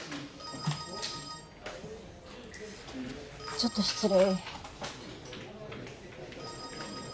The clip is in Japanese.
ちょっと失礼。